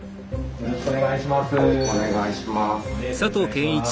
よろしくお願いします。